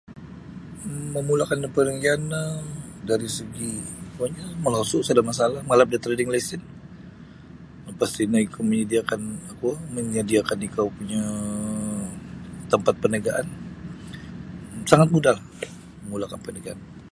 Memulakan perniagaan no dari segi kuonyo lah molosu sada masalah malap da trading lesen lapas tino ikau menyediakan kuo manyadiakan ikau punyo tampat peniagaan sangat mudahlah memulakan paniagaan.